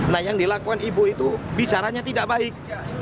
nah yang dilakukan ibu itu bicaranya tidak baik